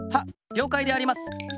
りょうかいであります。